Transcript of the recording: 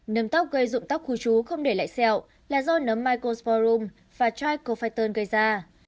nấm tóc gây dụng tóc khu trú không để lại xeo là do nấm mycosporum và trichophyton gây ra